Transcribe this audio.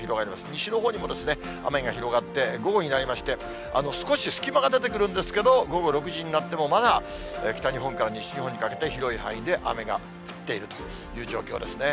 西のほうにも雨が広がって、午後になりまして、少し隙間が出てくるんですけれども、午後６時になってもまだ北日本から西日本にかけて広い範囲で雨が降っているという状況ですね。